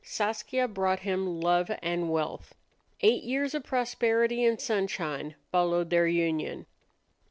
Saskia brought him love and wealth. Eight years of prosperity and sunshine followed their union.